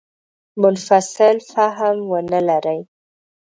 منفصل فهم ونه لري.